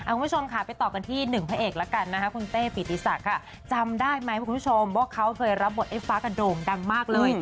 คุณผู้ชมค่ะไปต่อกันที่หนึ่งพระเอกแล้วกันนะคะคุณเต้ปิติศักดิ์ค่ะจำได้ไหมคุณผู้ชมว่าเขาเคยรับบทไอ้ฟ้ากระโด่งดังมากเลย